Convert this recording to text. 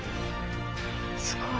すごい。